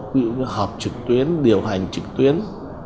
ví dụ như họp trực tuyến điều hành trực tuyến